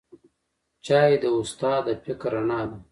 چای د استاد د فکر رڼا ده